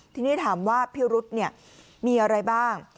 ทีนี้ถามว่าพิรุษมีอะไรบ้าง